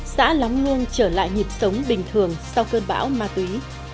xã lóng hương trở lại nhịp sống bình thường sau cơn bão ma túy